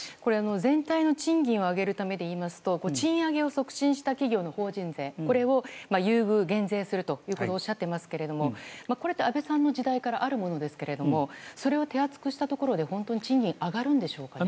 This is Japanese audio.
全体の賃金を上げるためでいいますと賃上げを促進した企業の法人税これを、優遇減税するとおっしゃっていますがこれって安倍さんの時代からあるものですがそれを手厚くしたところで本当に賃金上がるんでしょうか。